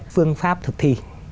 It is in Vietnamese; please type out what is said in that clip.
phương pháp thực thi